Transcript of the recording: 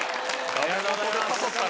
ありがとうございます。